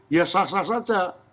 ya sah sah saja